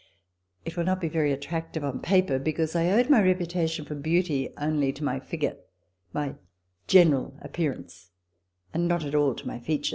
It w ill not be very attractive on paper, because I owed my reputation for beauty only to my figure, my general appearance, and not at all to my features.